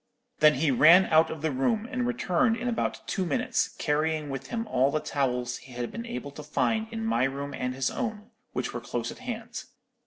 Then he ran out of the room, and returned in about two minutes, carrying with him all the towels he had been able to find in my room and his own, which were close at hand.